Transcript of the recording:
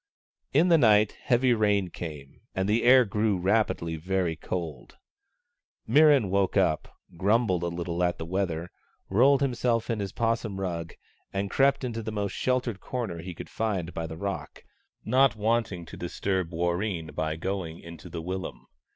In the night, heavy rain came, and the air grew rapidly very cold. Mirran woke up, grumbled a little at the weather, rolled himself in his 'possum rug and crept into the most sheltered corner he could find by the rock, not liking to disturb Warreen by going into the willum.